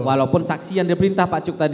walaupun saksi yang diperintah pak cuk tadi